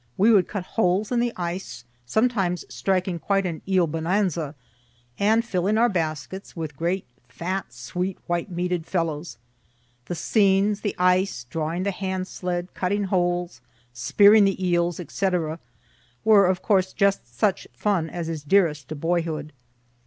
We would cut holes in the ice, sometimes striking quite an eel bonanza, and filling our baskets with great, fat, sweet, white meated fellows. The scenes, the ice, drawing the hand sled, cutting holes, spearing the eels, &c., were of course just such fun as is dearest to boyhood.